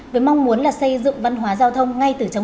với mong muốn là xây dựng văn hóa giao thông ngay từ ngày hôm nay